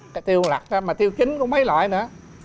cái tiêu lật ra mà tiêu chính cũng mấy loại nữa